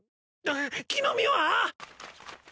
木の実は！？